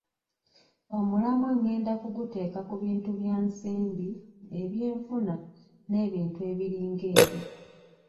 Omulamwa ng'enda kuguteeka ku bintu bya nsimbi, ebyenfuna n'ebintu ebiringa ebyo.